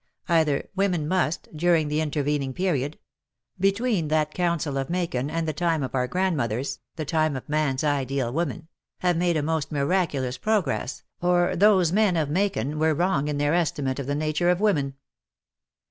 Either women must, during the intervening period — between that council of Macon and the time of our grandmothers, the time of man's ideal woman — have made a most miraculous progress, or those men of Macon were wrong in their estimate of the WAR AND WOMEN 219 nature of women.